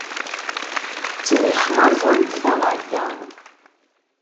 Ttemyeḥmaẓent ta ɣer ta.